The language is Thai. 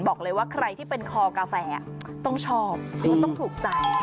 บอกเลยว่าใครที่เป็นคอกาแฟต้องชอบแล้วต้องถูกใจ